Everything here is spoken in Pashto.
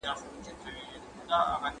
وړ نوم دی، کوم چي نورو خلکو ورکړی دی.